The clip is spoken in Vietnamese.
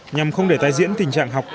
nhằm không để tai diễn